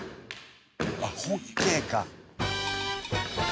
あっホッケーか。